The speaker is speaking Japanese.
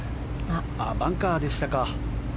バンカーでしたか。